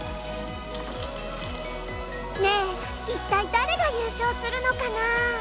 ねえ一体誰が優勝するのかな？